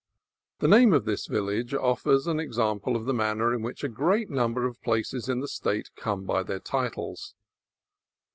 The name of this village offers an example of the manner in which a great number of places in the State came by their titles.